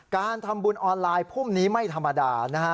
การทำบุญออนไลน์พรุ่งนี้ไม่ธรรมดานะฮะ